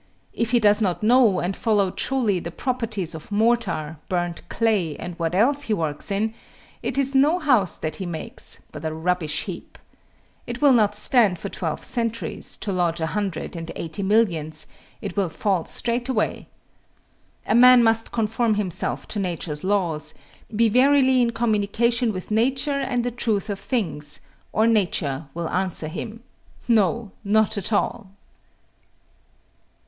If he does not know and follow truly the properties of mortar, burnt clay, and what else he works in, it is no house that he makes, but a rubbish heap. It will not stand for twelve centuries, to lodge a hundred and eighty millions; it will fall straightway. A man must conform himself to Nature's laws, be verily in communion with Nature and the truth of things, or Nature will answer him, No, not at all!